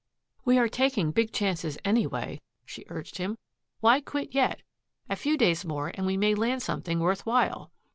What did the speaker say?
"We are taking big chances, anyway," she urged him. "Why quit yet? A few days more and we may land something worth while."